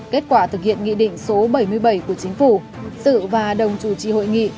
kết quả thực hiện nghị định số bảy mươi bảy của chính phủ sự và đồng chủ trì hội nghị